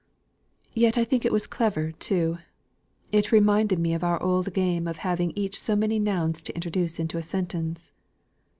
Yet I think it was clever too. It reminded me of our old game of having each so many nouns to introduce into a sentence."